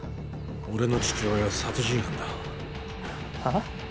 俺の父親は殺人犯だああ？